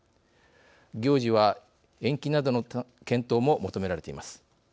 行事は延期などの検討も求められています。